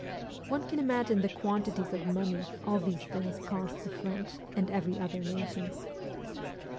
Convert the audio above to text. One can imagine the quantities of money all these things cost the French and every other nation.